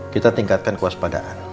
kita tingkatkan kewaspadaan